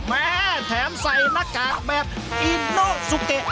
แหมแถมใส่หน้ากากแบบอิโนสุเก